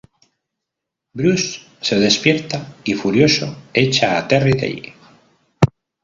Bruce se despierta y, furioso, echa a Terry de allí.